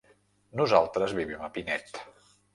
Nosaltres vivim a Pinet.